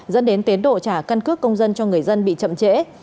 dẫn đến tiến độ trả căn cước công dân cho người dân bị chậm trễ